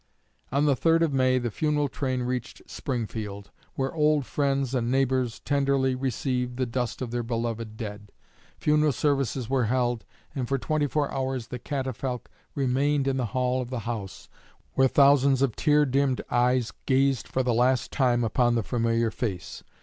On the 3d of May the funeral train reached Springfield, where old friends and neighbors tenderly received the dust of their beloved dead. Funeral services were held, and for twenty four hours the catafalque remained in the hall of the House, where thousands of tear dimmed eyes gazed for the last time upon the familiar face.